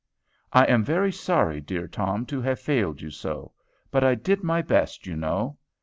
I am very sorry, dear Tom, to have failed you so. But I did my best, you know.